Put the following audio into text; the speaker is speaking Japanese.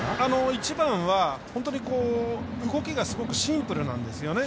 一番は、本当に動きがすごくシンプルなんですね。